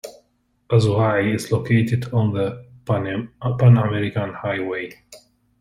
Azuay is located on the Panamerican Highway.